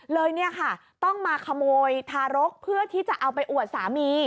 เนี่ยค่ะต้องมาขโมยทารกเพื่อที่จะเอาไปอวดสามี